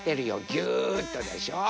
ぎゅっとでしょ。